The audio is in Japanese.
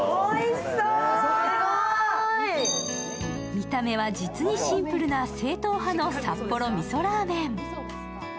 見た目は実にシンプルな正統派の札幌みそラーメン。